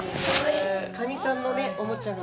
カニさんのおもちゃが。